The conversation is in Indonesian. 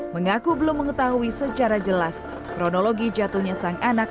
mengaku belum mengetahui secara jelas kronologi jatuhnya sang anak